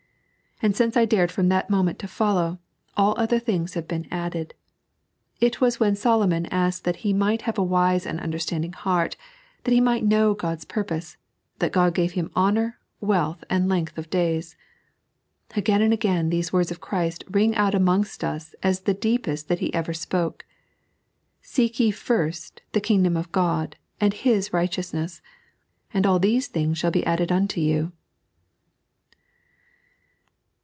And since I dared from that moment to follow, all other things have been added. It was when Solomon asked that he might have a wise and understanding heart, tiiat he might know God's purpose, that God gave him honour, wealth, and length of days. Again and again these words of Christ ring out as amongst tbe deepest that He ever spoke :" Seek ye first the Kingdom of God and His righteousnees, and all these things shall be added unto you."